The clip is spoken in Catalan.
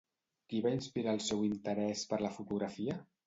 Qui va inspirar el seu interès per la fotografia?